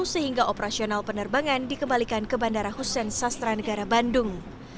sehingga operasional penerbangan dikembalikan ke bandara hussein sastra negara bandung